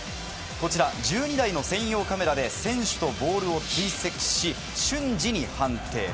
こちら１２台の専用カメラで選手とボールを追跡し瞬時に判定。